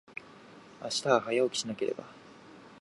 明日は、早起きしなければ。